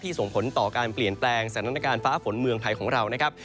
ส่งผลต่อการเปลี่ยนแปลงสถานการณ์ฟ้าฝนเมืองไทยของเรานะครับ